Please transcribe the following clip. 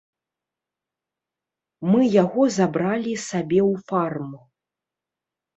Мы яго забралі сабе ў фарм.